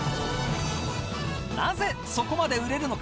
なぜ、そこまで売れるのか。